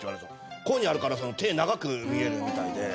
こういうふうにやるから手長く見えるみたいで。